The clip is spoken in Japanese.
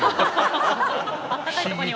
不思議と。